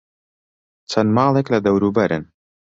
چەند ماڵێک لە دەوروبەرن.